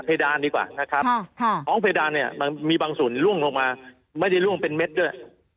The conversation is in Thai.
ดานดีกว่านะครับท้องเพดานเนี่ยมันมีบางส่วนล่วงลงมาไม่ได้ล่วงเป็นเม็ดด้วย